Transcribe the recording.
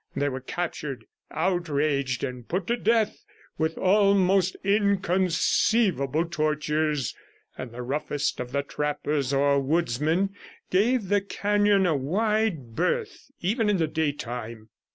They were captured, outraged, and put to death with almost inconceivable tortures, and the roughest of the trappers or woodsmen gave the canon a wide berth even in the daytime.